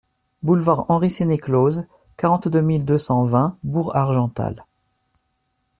Boulevard Henri Sénéclauze, quarante-deux mille deux cent vingt Bourg-Argental